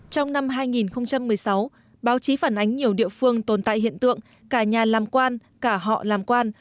trong năm hai nghìn một mươi sáu báo chí phản ánh nhiều địa phương tồn tại hiện tượng cả nhà làm quan cả họ làm quan